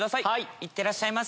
いってらっしゃいませ。